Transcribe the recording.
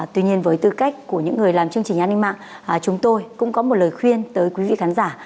tuy nhiên với tư cách của những người làm chương trình an ninh mạng chúng tôi cũng có một lời khuyên tới quý vị khán giả